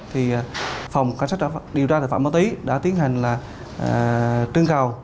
thì phòng cảnh sát điều tra thực phẩm máu tí đã tiến hành trưng cầu